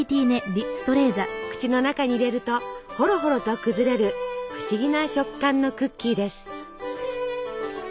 口の中に入れるとホロホロと崩れる不思議な食感のクッキーです。